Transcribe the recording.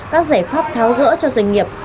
các giải pháp tháo gỡ cho doanh nghiệp